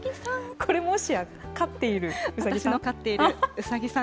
これ、もしや飼っているうさぎさん？